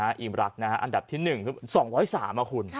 อันดับที่๑อันดับที่๑๒๐๓อ่ะคุณ